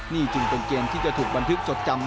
นี่จึงเป็นเกมที่จะถูกบันทึกจดจำ